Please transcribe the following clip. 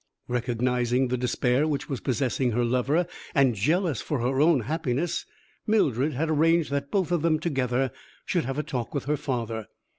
Recognizing the despair which was possessing her lover, and jealous for her own happiness, Mildred had arranged that both of them, together, should have a talk with her father.